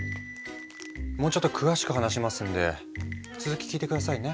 もうちょっと詳しく話しますんで続き聞いて下さいね。